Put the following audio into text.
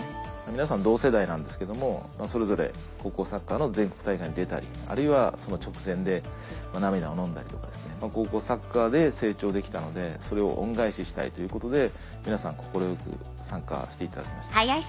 皆さん同世代なんですけどもそれぞれ高校サッカーの全国大会に出たりあるいはその直前で涙をのんだりとかですね高校サッカーで成長できたのでそれを恩返ししたいということで皆さん快く参加していただきました。